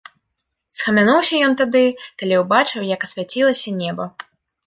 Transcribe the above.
Схамянуўся ён тады, калі ўбачыў, як асвяцілася неба.